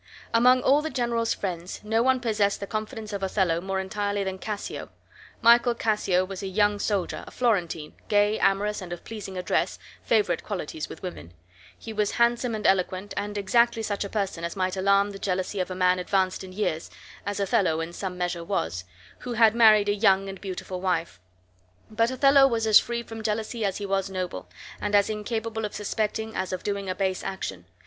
Among all the general's friends no one possessed the confidence of Othello more entirely than Cassio. Michael Cassio was a young soldier, a Florentine, gay, amorous, and of pleasing address, favorite qualities with women; he was handsome and eloquent, and exactly such a person as might alarm the jealousy of a man advanced in years (as Othello in some measure was) who had married a young and beautiful wife; but Othello was as free from jealousy as he was noble, and as incapable of suspecting as of doing a base action.